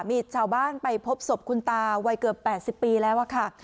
มีชาวบ้านไปพบศพคุณตาวัยเกือบ๘๐ปีแล้วค่ะ